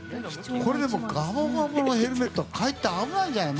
でも、ガボガボのヘルメットはかえって危ないんじゃない？